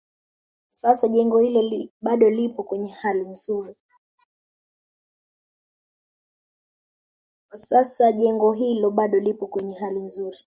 Kwa sasa jengo hilo bado lipo kwenye hali nzuri